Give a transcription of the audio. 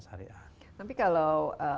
seharian tapi kalau